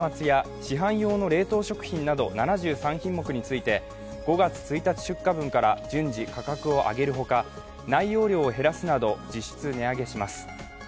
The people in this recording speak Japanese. また、プロテインの粉末や市販用の冷凍食品など７３品目について５月１日出荷分から順次価格を上げるほか、内容量を減らすなど実質値上げします。